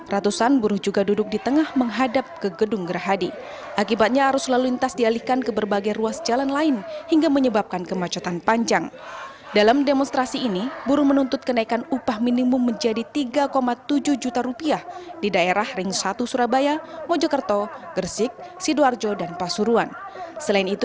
ratusan buruh juga duduk di tengah menghapus